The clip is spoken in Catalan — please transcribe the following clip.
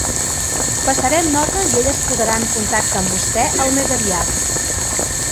Passarem nota i ella es posarà en contacte amb vostè al més aviat.